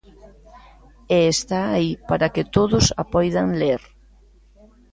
E está aí para que todos a poidan ler.